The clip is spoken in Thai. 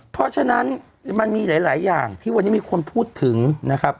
เพราะฉะนั้นมันมีหลายอย่างที่วันนี้มีคนพูดถึงนะครับ